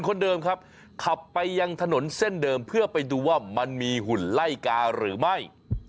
คนเดิมครับขับไปยังถนนเส้นเดิมเพื่อไปดูว่ามันมีหุ่นไล่กาหรือไม่